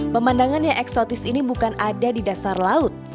pemandangan yang eksotis ini bukan ada di dasar laut